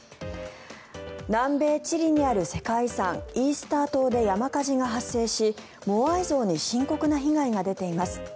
南米チリにある世界遺産イースター島で山火事が発生しモアイ像に深刻な被害が出ています。